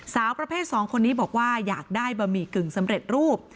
สาวประเภท๒คนนี้บอกว่าอยากได้บะหมี่กึ่งสำเร็จรูป